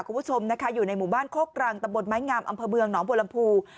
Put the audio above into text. คุณผู้ชมนะคะอยู่ในหมู่บ้านโคกรังตะบนไม้งามอำเภอเมืองหนองบัวลำพู